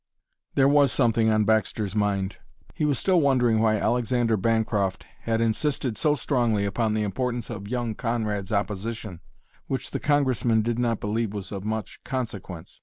There was something on Baxter's mind. He was still wondering why Alexander Bancroft had insisted so strongly upon the importance of young Conrad's opposition, which the Congressman did not believe was of much consequence.